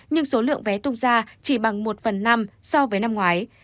nhưng số lượng vé tung ra chỉ bằng một phần năm so với năm ngoái